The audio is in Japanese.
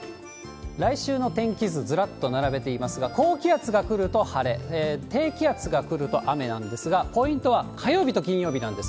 来週の天気図、ずらっと並べていますが、高気圧が来ると晴れ、低気圧が来ると雨なんですが、ポイントは火曜日と金曜日なんです。